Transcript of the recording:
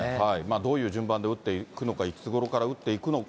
どういう順番で打っていくのか、いつごろから打っていくのか。